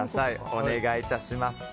お願いいたします。